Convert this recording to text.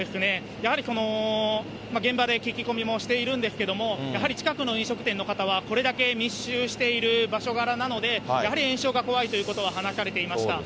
やはり現場で聞き込みもしてるんですけども、やはり近くの飲食店の方は、これだけ密集している場所柄なので、やはり延焼が怖いということは話されていました。